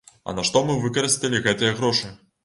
А на што мы выкарысталі гэтыя грошы?